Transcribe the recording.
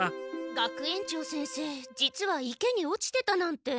学園長先生実は池に落ちてたなんて。